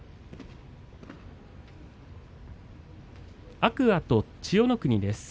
天空海と千代の国です。